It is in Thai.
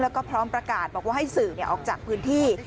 แล้วก็พร้อมประกาศบอกว่าให้สื่อออกจากพื้นที่